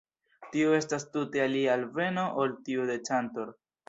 Tio estas tute alia alveno ol tiu de Cantor.